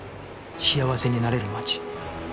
幸せになれる街